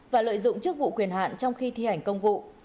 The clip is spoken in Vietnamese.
và lợi dụng chức vụ quyền hạn trong khi thi hành công vụ